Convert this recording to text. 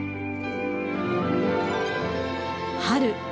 春。